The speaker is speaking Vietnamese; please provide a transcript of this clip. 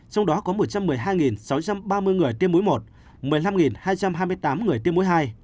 trong đó có một trăm một mươi hai sáu trăm ba mươi người tiêm mũi một một mươi năm hai trăm hai mươi tám người tiêm mũi hai